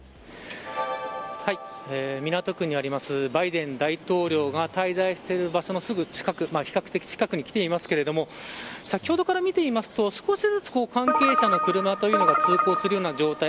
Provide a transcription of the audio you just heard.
港区にありますバイデン大統領が滞在している場所のすぐ近く比較的近くに来ていますが先ほどから見ていますと少しずつ関係者の車が通行する状態。